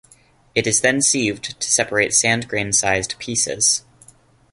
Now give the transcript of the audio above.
It is then sieved to separate sand grain sized pieces.